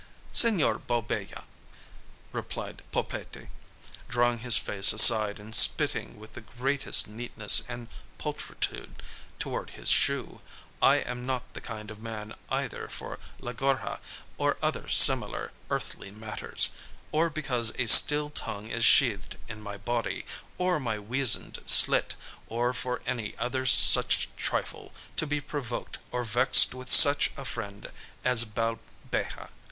"Señor Balbeja," replied Pulpete, drawing his face aside and spitting with the greatest neatness and pulchritude towards his shoe, "I am not the kind of man either for La Gorja or other similar earthly matters, or because a steel tongue is sheathed in my body, or my weasand slit, or for any other such trifle, to be provoked or vexed with such a friend as Balbeja.